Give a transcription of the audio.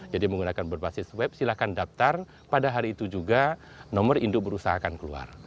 jadi menggunakan berbasis web silahkan daftar pada hari itu juga nomor induk berusaha akan keluar